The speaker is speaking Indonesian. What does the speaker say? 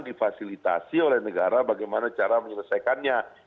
difasilitasi oleh negara bagaimana cara menyelesaikannya